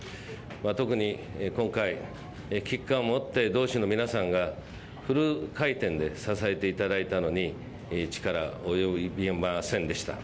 特に今回、危機感を持って同志の皆さんがフル回転で支えていただいたのに、力及びませんでした。